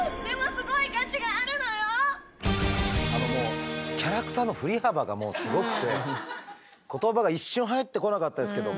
あのもうキャラクターの振り幅がもうすごくて言葉が一瞬入ってこなかったですけど。